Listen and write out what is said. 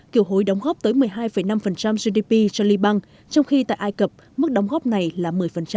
kiều hối đóng góp tới một mươi hai năm gdp cho liban trong khi tại ai cập mức đóng góp này là một mươi